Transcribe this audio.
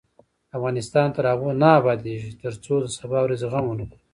افغانستان تر هغو نه ابادیږي، ترڅو د سبا ورځې غم ونکړو.